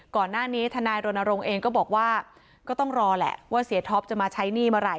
ทนายรณรงค์เองก็บอกว่าก็ต้องรอแหละว่าเสียท็อปจะมาใช้หนี้เมื่อไห